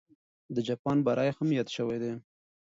د جاپان بری هم یاد سوی دی.